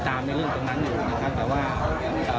แต่ว่าไปถึงตรงไหนใดเราก็สัญญาติว่าให้เป็นเรื่องผม